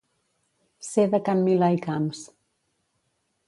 Ser de can Milà i Camps.